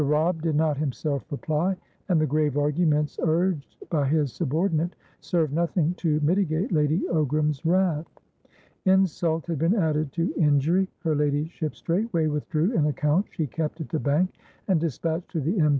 Robb did not himself reply, and the grave arguments urged by his subordinate served nothing to mitigate Lady Ogram's wrath. Insult had been added to injury; her ladyship straightway withdrew an account she kept at the bank, and dispatched to the M.